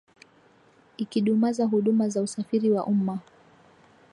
ikidumaza huduma za usafiri wa umma